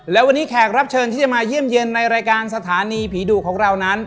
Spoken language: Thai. และวันนี้แขกรับเชิญที่จะมาเยี่ยมเยี่ยมในรายการสถานีผีดุของเรานั้น